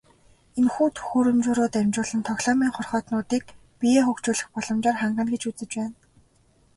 Энэхүү төхөөрөмжөөрөө дамжуулан тоглоомын хорхойтнуудыг биеэ хөгжүүлэх боломжоор хангана гэж үзэж байна.